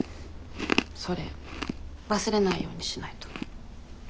それ忘れないようにしないと。